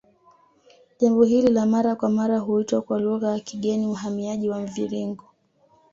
Jambo hili la mara kwa mara huitwa kwa lugha ya kigeni uhamiaji wa mviringo